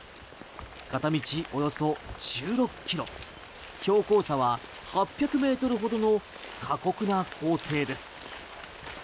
片道およそ１６ｋｍ標高差は８００ｍほどの過酷な行程です。